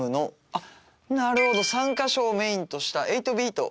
あっなるほど「３か所をメインとした８ビートという」